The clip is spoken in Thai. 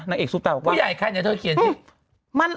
นางเอกสุซะบอกว่า